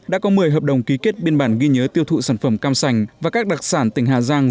đã có một mươi hợp đồng ký kết biên bản ghi nhớ tiêu thụ sản phẩm cam sành và các đặc sản tỉnh hà giang